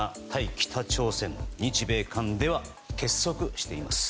北朝鮮、日米韓では結束しています。